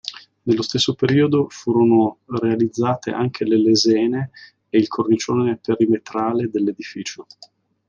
Nello stesso periodo furono realizzate anche le lesene e il cornicione perimetrale dell'edificio.